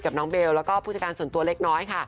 กับน้องเบลและผู้จัดการส่วนตัวเล็กน้อย